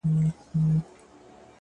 صبر د وخت ژبه درک کوي.!